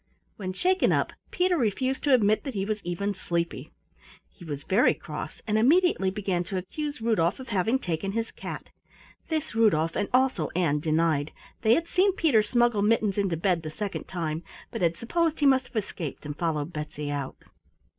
When shaken up Peter refused to admit that, he was even sleepy. He was very cross, and immediately began to accuse Rudolf of having taken his cat. This Rudolf and also Ann denied. They had seen Peter smuggle Mittens into bed the second time, but had supposed he must have escaped and followed Betsy out.